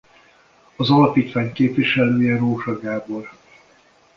Az alapítvány képviselője Rózsa Gábor.